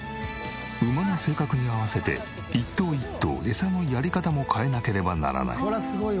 馬の性格に合わせて一頭一頭エサのやり方も変えなければならない。